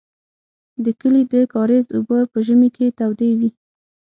د کلي د کاریز اوبه په ژمي کې تودې وې.